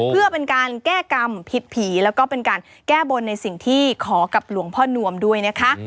เพื่อเป็นการแก้กรรมผิดผีแล้วก็เป็นการแก้บนในสิ่งที่ขอกับหลวงพ่อนวมด้วยนะคะ